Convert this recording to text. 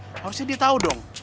harusnya dia tau dong